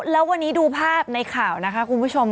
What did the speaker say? แล้ววันนี้ดูภาพในข่าวนะคะคุณผู้ชม